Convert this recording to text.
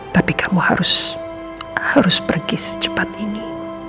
tapi kamu harus pergi secepat ini